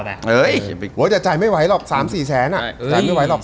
เฮ้ยแต่จ่ายไม่ไหวหรอก๓๔แสนจ่ายไม่ไหวหรอก